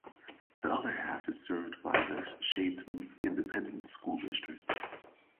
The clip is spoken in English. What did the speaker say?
The other half is served by the Sharyland Independent School District.